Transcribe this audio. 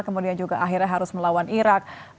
kemudian juga akhirnya harus melawan irak